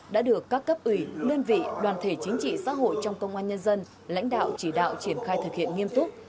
đã được các cấp ủy đơn vị đoàn thể chính trị xã hội trong công an nhân dân lãnh đạo chỉ đạo triển khai thực hiện nghiêm túc